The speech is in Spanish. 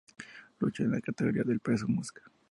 Luchó en la categoría del peso mosca.